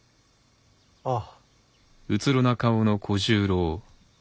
ああ。